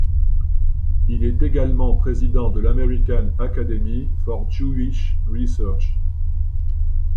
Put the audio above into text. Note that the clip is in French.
Il est également président de l'American Academy for Jewish Research.